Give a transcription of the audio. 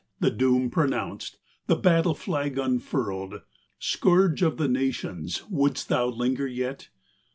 The doom pronounced, the battle flag unfurled. Scourge of the nations, wouldest thou linger yet